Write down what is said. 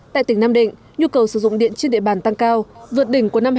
tại tỉnh nam định nhu cầu sử dụng điện trên địa bàn tăng cao vượt đỉnh của năm hai nghìn một mươi chín